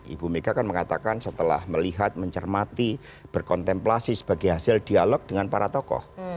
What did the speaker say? ibu mega kan mengatakan setelah melihat mencermati berkontemplasi sebagai hasil dialog dengan para tokoh